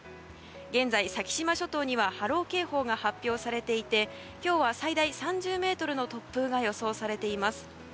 現在、先島諸島には波浪警報が発表されていて今日は最大３０メートルの突風が予想されています。